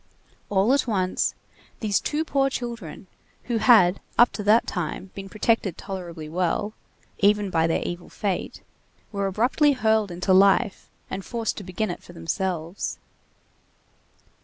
All at once, these two poor children, who had up to that time been protected tolerably well, even by their evil fate, were abruptly hurled into life and forced to begin it for themselves.